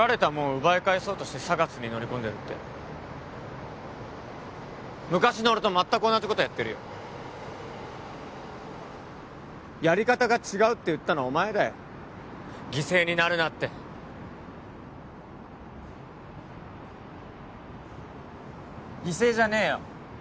奪い返そうとしてＳＡＧＡＳに乗り込んでるって昔の俺と全く同じことやってるよやり方が違うって言ったのお前だよ犠牲になるなって犠牲じゃねえよ